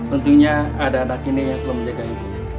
untungnya ada anak ini yang selalu menjaga ibu